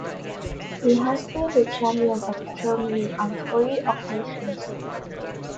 He has been the champion of Germany on three occasions.